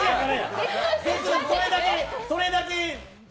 それだけで。